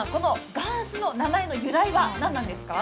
がんすの名前の由来は何なんですか？